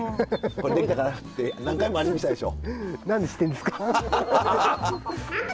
「これできたから」って何回も味見したでしょ。